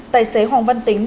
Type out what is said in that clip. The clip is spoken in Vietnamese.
tài xế hoàng văn tính